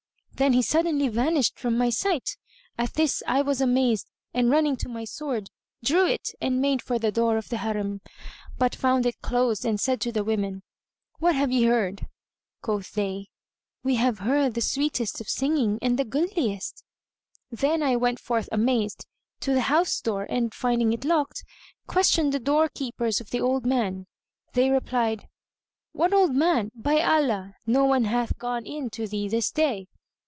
Then he suddenly vanished from my sight. At this I was amazed and running to my sword drew it and made for the door of the Harim, but found it closed and said to the women, "What have ye heard?" Quoth they, "We have heard the sweetest of singing and the goodliest." Then I went forth amazed, to the house door and, finding it locked, questioned the doorkeepers of the old man. They replied, "What old man? By Allah, no one hath gone in to thee this day!"